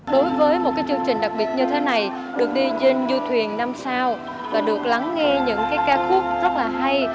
đối với một cái chương trình đặc biệt như thế này được đi trên du thuyền năm sao và được lắng nghe những cái ca khúc rất là hay